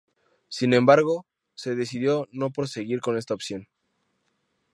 Sin embargo se decidió no proseguir con esta opción.